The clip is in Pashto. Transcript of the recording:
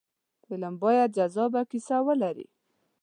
فلم باید جذابه کیسه ولري